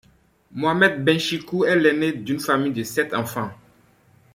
Mohamed Benchicou est l'aîné d'une famille de sept enfants.